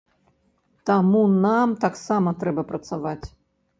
Таму нам таксама трэба працаваць.